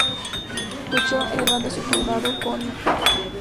Luchó en el bando sublevado con el grado de comandante.